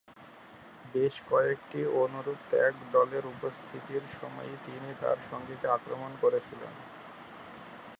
বেশ কয়েকটি অনুরূপ ট্যাগ দলের উপস্থিতির সময়ই তিনি তার সঙ্গীকে আক্রমণ করেছিলেন।